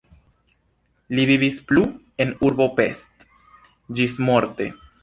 Li vivis plu en urbo Pest ĝismorte.